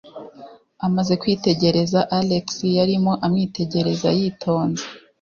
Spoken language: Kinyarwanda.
Amaze kwitegereza Alex, yarimo amwitegereza yitonze.